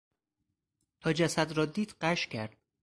تا جسد را دید غش کرد.